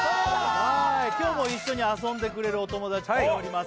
今日も一緒に遊んでくれるお友達来ております